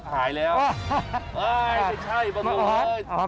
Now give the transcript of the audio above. หายแล้วใช่บริเวณ